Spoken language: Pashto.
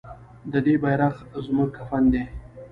د دې بیرغ زموږ کفن دی؟